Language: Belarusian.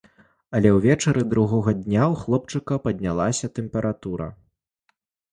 Але ўвечары другога дня ў хлопчыка паднялася тэмпература.